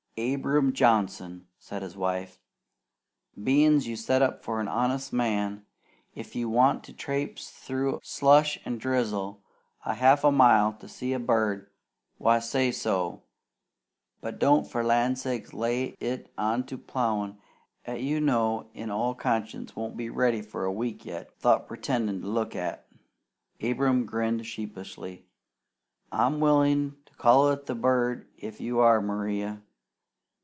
"Abram Johnson," said his wife, "bein's you set up for an honest man, if you want to trapse through slush an' drizzle a half mile to see a bird, why say so, but don't for land's sake lay it on to plowin' 'at you know in all conscience won't be ready for a week yet 'thout pretendin' to look." Abram grinned sheepishly. "I'm willin' to call it the bird if you are, Maria.